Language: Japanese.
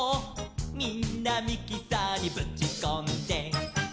「みんなミキサーにぶちこんで」